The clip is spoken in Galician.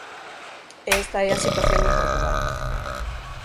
E esta é a situación en Portugal.